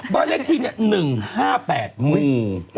บั้งเลขที่เนี่ย๑๕๘หมู๖